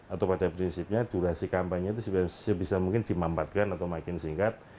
atau pada prinsipnya durasi kampanye itu sebisa mungkin dimampatkan atau makin singkat